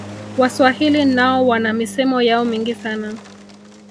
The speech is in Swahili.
waswahili nao wana misemo yao mingi sana